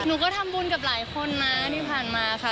หนูก็ทำบุญกับหลายคนนะที่ผ่านมาค่ะ